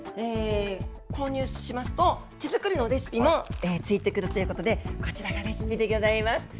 購入しますと、手作りのレシピもついてくるということで、こちらがレシピでぎょざいます。